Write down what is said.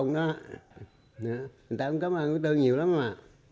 người ta cũng cảm ơn chú tư nhiều lắm mà